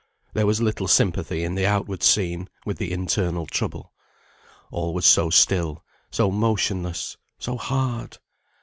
There was little sympathy in the outward scene, with the internal trouble. All was so still, so motionless, so hard!